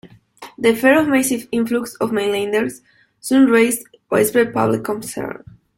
The fear of massive influx of mainlanders soon raised widespread public concern.